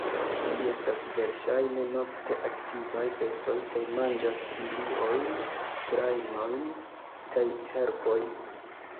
Ili estas verŝajne nokte aktivaj bestoj kaj manĝas foliojn, grajnojn kaj herbojn.